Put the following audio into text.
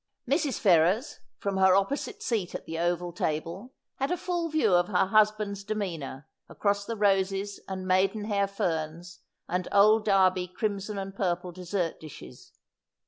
143 Mrs. Ferrers, from her opposite seat at the oval table, had a full view of her husband's demeanour, across the roses and maiden hair ferns and old Derby crimson and purple dessert dishes.